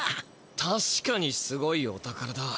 たしかにすごいお宝だ。